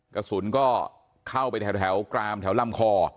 กระสุนก็เข้าไปแถวกรามแถวลำคอ